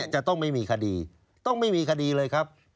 จะต้องไม่มีคดีต้องไม่มีคดีเลยครับ